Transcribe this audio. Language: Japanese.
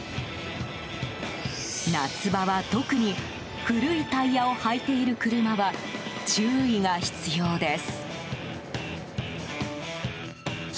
夏場は特に、古いタイヤを履いている車は注意が必要です。